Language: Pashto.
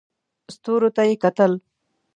ستورو ته یې کتل.